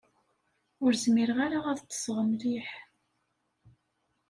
Ur zmireɣ ara ad ṭṭseɣ mliḥ.